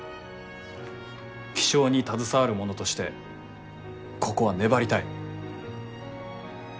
気象に携わる者としてここは粘りたい。